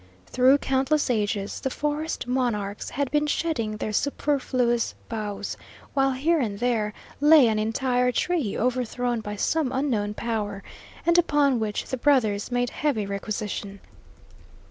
Through countless ages the forest monarchs had been shedding their superfluous boughs, while here and there lay an entire tree, overthrown by some unknown power, and upon which the brothers made heavy requisition.